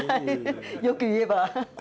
よく言えば。